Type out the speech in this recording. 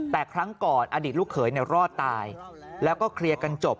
แต่ครั้งก่อนอดีตลูกเขยรอดตายแล้วก็เคลียร์กันจบ